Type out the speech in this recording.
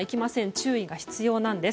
注意が必要なんです。